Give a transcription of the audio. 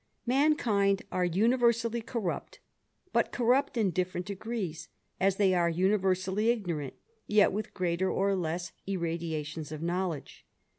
"^^ankind are universally corrupt, but corrupt in different ^Kt ees ; as they are universally ignorant, yet with greater less irradiations of knowledge.